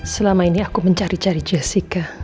selama ini aku mencari cari jessica